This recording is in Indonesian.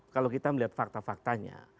kalau kita melihat fakta faktanya